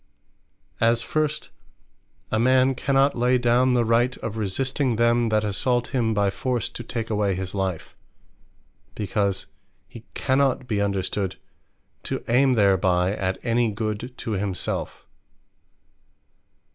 As first a man cannot lay down the right of resisting them, that assault him by force, to take away his life; because he cannot be understood to ayme thereby, at any Good to himselfe.